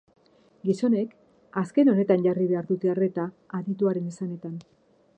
Gizonek azken honetan jarri behar dute arreta, adituaren esanetan.